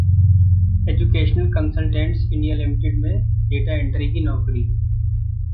educational consultants India limited में data entry की नौकरी